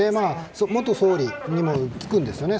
元総理にもつくんですよね